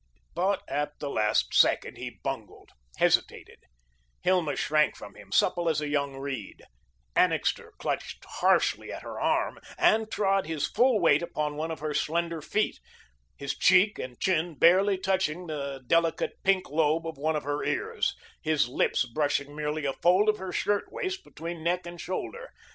But at the last second, he bungled, hesitated; Hilma shrank from him, supple as a young reed; Annixter clutched harshly at her arm, and trod his full weight upon one of her slender feet, his cheek and chin barely touching the delicate pink lobe of one of her ears, his lips brushing merely a fold of her shirt waist between neck and shoulder.